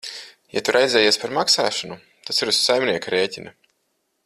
Ja tu raizējies par maksāšanu, tas ir uz saimnieka rēķina.